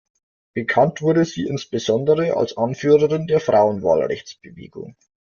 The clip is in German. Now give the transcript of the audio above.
Bekannt wurde sie insbesondere als Anführerin der Frauenwahlrechtsbewegung.